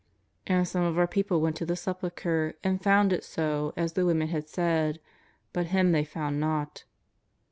And some of our people Avent to the Sepulchre and found it so as the women had said, but Him they found not."